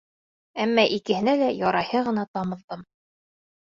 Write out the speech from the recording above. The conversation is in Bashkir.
Әммә икеһенә лә ярайһы ғына тамыҙҙым.